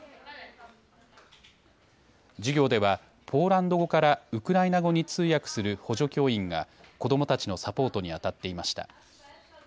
授業ではポーランド語からウクライナ語に通訳する補助教員が子どもたちのサポートにあたっていました。